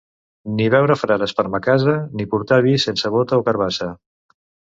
Ni veure frares per ma casa, ni portar vi sense bota o carabassa.